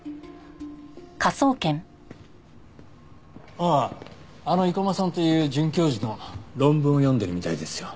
あああの生駒さんという准教授の論文を読んでるみたいですよ。